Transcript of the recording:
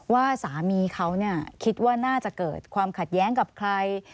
ว่าสามีเขาคิดว่าน่าจะเกิดความขัดแย้งกับใคร